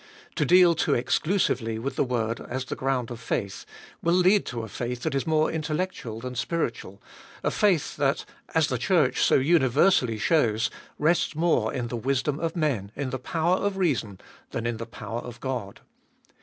To deal too exclusively with the word as the ground of faith will lead to a faith that is more intellectual than spiritual, a faith that, as the Church so universally shows, rests more in the wisdom of men, in the power of reason, than in the power of God.